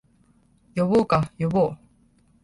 呼ぼうか、呼ぼう